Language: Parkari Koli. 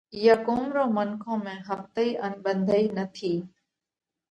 اِيئا قُوم رون منکون ۾ ۿپتئِي ان ٻنڌئِي نٿِي